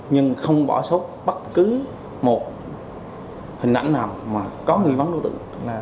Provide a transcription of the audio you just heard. nhưng không bỏ sốt bất cứ một hình ảnh nào mà có nghi vấn đối tượng